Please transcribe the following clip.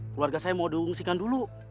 keluarga saya mau diungsikan dulu